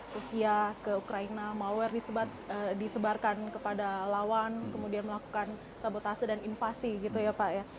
rusia ke ukraina malware disebarkan kepada lawan kemudian melakukan sabotase dan invasi gitu ya pak ya